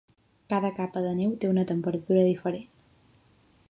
Cada capa de neu té una temperatura diferent.